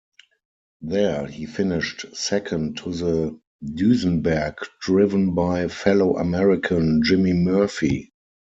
There, he finished second to the Duesenberg driven by fellow American, Jimmy Murphy.